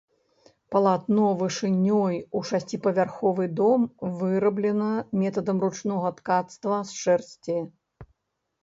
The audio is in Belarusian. Палатно вышынёй у шасціпавярховы дом выраблена метадам ручнога ткацтва з шэрсці.